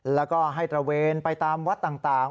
แล้วก็ให้ตระเวนไปตามวัดต่าง